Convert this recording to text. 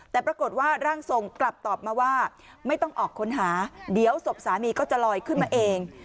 แต่ปรากฏว่าร่างทรงกลับตอบมาว่าไม่ต้องออกค้นหาเดี๋ยวศพสามีก็จะลอยขึ้นมาเอง